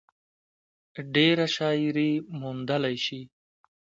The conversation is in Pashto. ډېره شاعري موندلے شي ۔